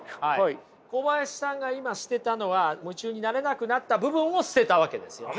小林さんが今捨てたのは夢中になれなくなった部分を捨てたわけですよね？